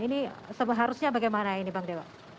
ini seharusnya bagaimana ini bang dewa